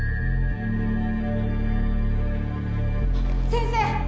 先生。